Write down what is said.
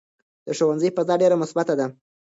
د ښوونځي فضا ډېره مثبته ده.